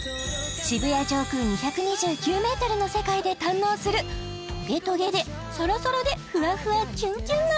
渋谷上空２２９ｍの世界で堪能するトゲトゲでサラサラでフワフワキュンキュンな